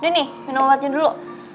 udah nih minum wajan dulu